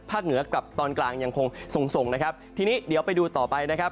เหนือกับตอนกลางยังคงส่งส่งนะครับทีนี้เดี๋ยวไปดูต่อไปนะครับ